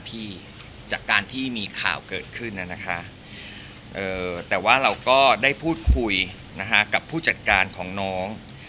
จากการที่มีข่าวเกิดขึ้นนะคะแต่ว่าเราก็ได้พูดคุยกับผู้จัดการของน้อง